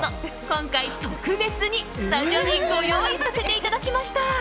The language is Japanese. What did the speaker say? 今回、特別にスタジオにご用意させていただきました。